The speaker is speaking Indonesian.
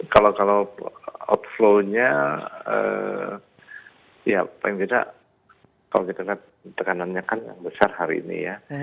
kalau outflow nya ya paling tidak kalau kita lihat tekanannya kan yang besar hari ini ya